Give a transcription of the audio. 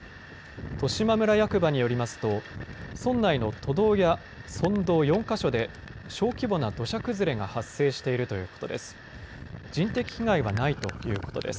利島村役場によりますと村内の都道や村道４か所で小規模な土砂崩れが発生しているということです。